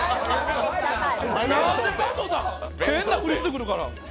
なんで加藤さん、変なフリしてくるから。